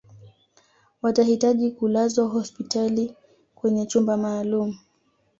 watahitaji kulazwa hospitali kwenye chumba maalum